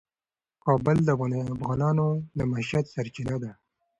کابل د افغانانو د معیشت سرچینه ده.